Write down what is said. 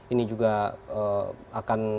ini juga akan